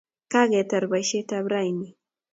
kaketar boisietab rauni